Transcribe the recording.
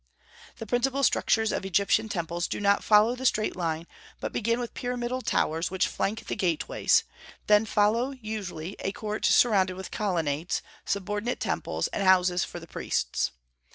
The principal structures of Egyptian temples do not follow the straight line, but begin with pyramidal towers which flank the gateways; then follow, usually, a court surrounded with colonnades, subordinate temples, and houses for the priests.